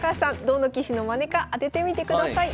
どの棋士のマネか当ててみてください。